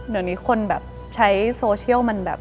เดี๋ยวนี้คนแบบใช้โซเชียลมันแบบ